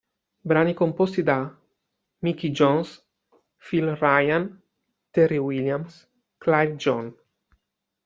Brani composti da: Micky Jones, Phil Ryan, Terry Williams, Clive John